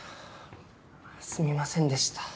すみませんでした。